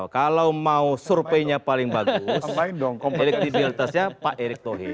kalau mau surveinya paling bagus elektribiltasnya pak erick thohir